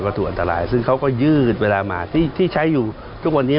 ถูกอันตรายซึ่งเขาก็ยืดเวลามาที่ใช้อยู่ทุกวันนี้